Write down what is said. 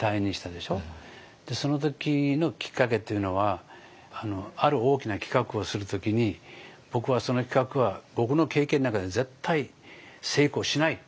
その時のきっかけっていうのはある大きな企画をする時に僕はその企画は僕の経験の中で絶対成功しないっていう信念があったんですよ。